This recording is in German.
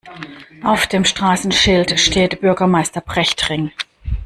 Auf dem Straßenschild steht Bürgermeister-Brecht-Ring.